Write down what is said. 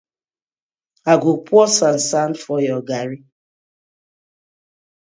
I go pour sand sand for your garri.